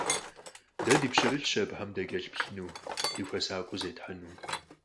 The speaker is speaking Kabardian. Дэ ди пщэрылъщ абыхэм дакӀэлъыплъыну, дыхуэсакъыу зетхьэну.